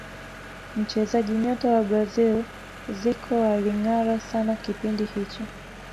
mchezaji nyota wa brazil zico alingara sana kipindi hicho